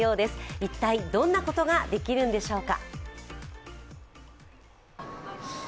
一体どんなことができるのでしょうか。